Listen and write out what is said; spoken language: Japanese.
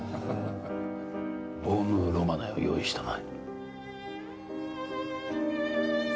「ヴォーヌ・ロマネ」を用意したまえ。